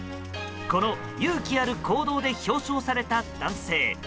この勇気ある行動で表彰された男性。